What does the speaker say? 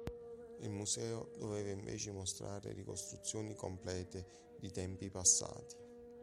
Il museo doveva invece mostrare ricostruzioni complete di tempi passati.